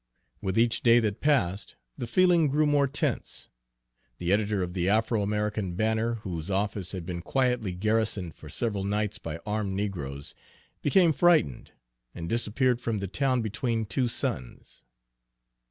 With each day that passed the feeling grew more tense. The editor of the Afro American Banner, whose office had been quietly garrisoned for several nights by armed negroes, became frightened, and disappeared from the town between two suns.